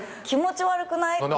気持ち悪くない？